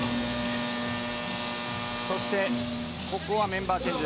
そしてここはメンバーチェンジ。